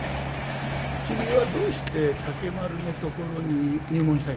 「きみはどうして竹丸のところに入門したいの？」。